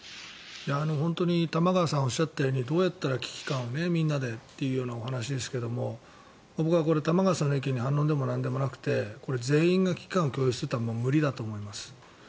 本当に玉川さんがおっしゃったようにどうやったら危機感をみんなでというお話ですけれど僕は玉川さんの意見に反論でもなんでもなくてこれ、全員が危機感を共有するというのは無理だと思います。